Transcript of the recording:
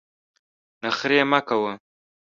نخرې مه کوه !